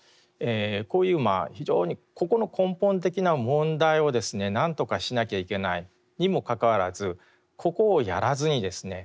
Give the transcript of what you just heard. こういうまあ非常にここの根本的な問題をですね何とかしなきゃいけないにもかかわらずここをやらずにですね